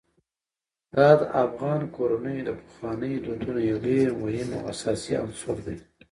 دا د افغان کورنیو د پخوانیو دودونو یو ډېر مهم او اساسي عنصر دی.